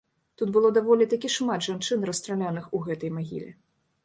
Тут было даволі такі шмат жанчын расстраляных у гэтай магіле.